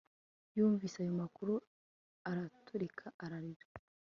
Yumvise ayo makuru araturika ararira